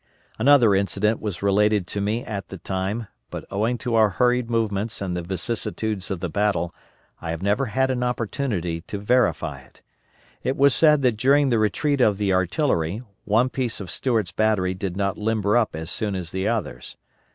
Another incident was related to me at the time, but owing to our hurried movements and the vicissitudes of the battle, I have never had an opportunity to verify it. It was said that during the retreat of the artillery one piece of Stewart's battery did not limber up as soon as the others.